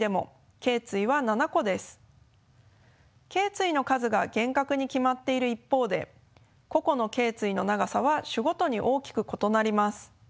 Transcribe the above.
けい椎の数が厳格に決まっている一方で個々のけい椎の長さは種ごとに大きく異なります。